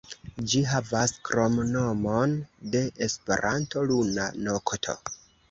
Ĝi havas kromnomon de Esperanto, "Luna Nokto".